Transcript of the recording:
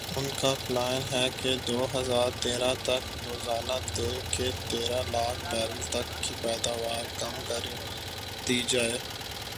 ان کا پلان ھے کہ دو ہزار تیرہ تک روزانہ تیل کی تیرہ لاکھ بیرل تک کی پیداوار کم کر دی جائے